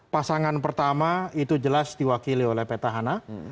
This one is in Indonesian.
pasangan pertama itu jelas diwakili oleh peta hana